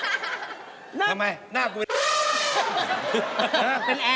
ทำไมหน้ากูเป็น